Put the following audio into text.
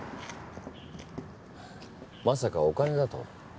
まさかお金だと？